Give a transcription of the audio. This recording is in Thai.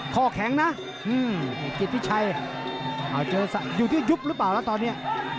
ข้อแข็งนะกิจวิชัยเอาเจ้าสร้างอยู่ที่ยุบหรือเปล่าล่ะตอนนี้